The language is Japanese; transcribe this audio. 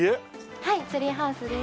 はいツリーハウスです。